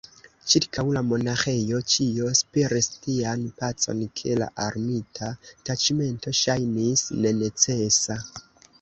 Ĉirkaŭ la monaĥejo ĉio spiris tian pacon, ke la armita taĉmento ŝajnis nenecesa.